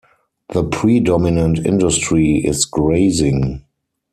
The predominant industry is grazing.